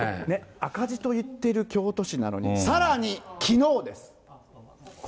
赤字と言ってる京都市なのに、さらにきのうです。